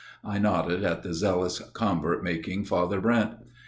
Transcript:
I nodded at the zealous, convert making Father Brent.